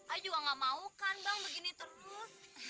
ayu gak mau kan bang begini terus